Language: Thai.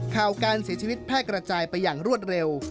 ข่าวการเสียชีวิตแพร่กระจายไปอย่างรวดเร็ว